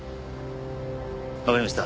わかりました。